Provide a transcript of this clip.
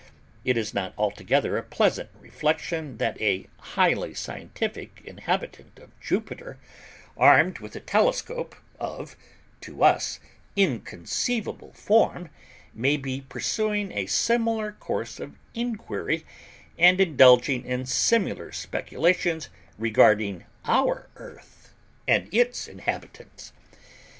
It is not altogether a pleasant reflection that a highly scientific inhabitant of Jupiter, armed with a telescope of (to us) inconceivable form, may be pursuing a similar course of inquiry, and indulging in similar speculations regarding our Earth and its inhabitants.